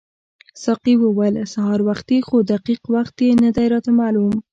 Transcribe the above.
ساقي وویل سهار وختي خو دقیق وخت یې نه دی راته معلوم.